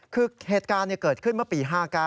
คือเหตุการณ์เกิดขึ้นเมื่อปี๕๙